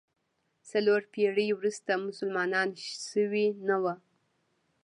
څلور پېړۍ وروسته مسلمانان شوي نه ول.